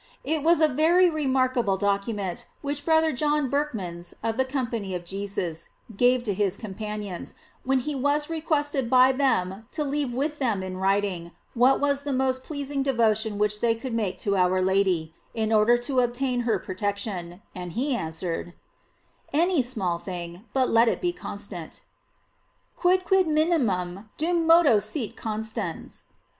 It was a very remarkable document which brother John Berchmans, of the Company of Jesus, gave to his companions, when he was re quested by them to leave with them in writing, what was the most pleasing devotion which they could make to our Lady, in order to obtain her protection, and he answered: Any small thing, but let it be constant: "Quidquid minimum, dum modo sit constans."